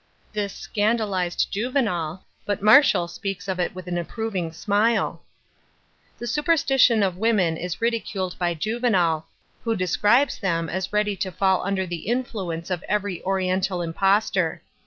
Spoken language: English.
This scandalized Juvenal, but Martial speaks of it with an approving smile. The superstition of women is ridiculed by Juven «1, who describes them as ready to ;all under the influence of every oriental impostor.